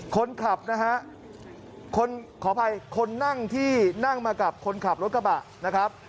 คนขับนะฮะคนขออภัยคนนั่งที่นั่งมากับคนขับรถกระบะนะครับ